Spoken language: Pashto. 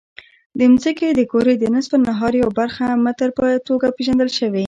د ځمکې د کرې د نصف النهار یوه برخه متر په توګه پېژندل شوې.